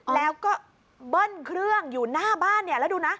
แล้วก็เบิ้ลเครื่องอยู่หน้าบ้านเนี่ยแล้วดูนะ